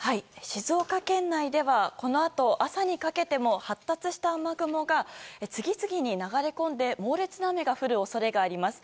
静岡県内ではこのあと朝にかけても発達した雨雲が次々に流れ込んで猛烈な雨が降る恐れがあります。